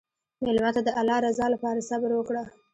مېلمه ته د الله رضا لپاره صبر وکړه.